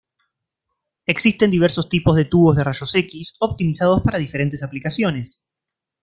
Existen diversos tipos de tubos de rayos X, optimizados para diferentes aplicaciones.